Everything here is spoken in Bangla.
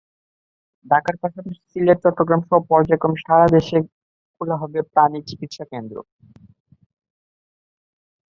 ঢাকার পাশাপাশি সিলেট, চট্টগ্রামসহ পর্যায়ক্রমে সারা দেশে খোলা হবে প্রাণী চিকিৎসাকেন্দ্র।